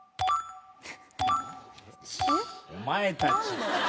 お前たち。